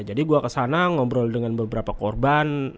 jadi gue kesana ngobrol dengan beberapa korban